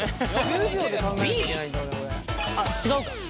あっ違うか。